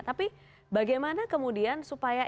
tapi bagaimana kemudian supaya